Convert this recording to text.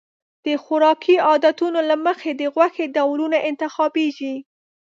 د خوراکي عادتونو له مخې د غوښې ډولونه انتخابېږي.